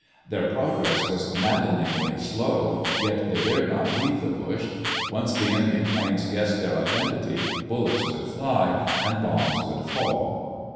Their progress was maddeningly slow, yet they dared not leave the bush. Once the enemy planes guessed their identity bullets would fly, and bombs would fall.